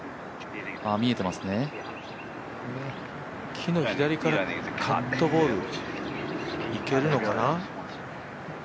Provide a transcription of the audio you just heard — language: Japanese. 木の左からカットボール、いけるのかな？